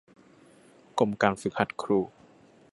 กรมการฝึกหัดครู